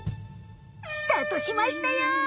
スタートしましたよ！